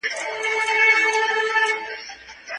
د ولس غږ تر اصفهانه پورې نه رسېده.